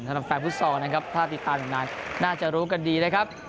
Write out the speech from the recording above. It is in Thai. สำหรับแฟนฟุตซอลนะครับถ้าติดตามอยู่นานน่าจะรู้กันดีนะครับ